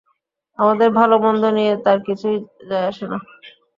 আমাদের ভাল-মন্দ নিয়ে তার কিছুই যায় আসেনা।